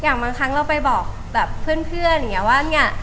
อย่างบางครั้งเราไปบอกเพื่อนเหมือนว่าเนี้ย